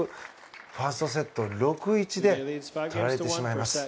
ファーストセットは６ー１で取られてしまいます。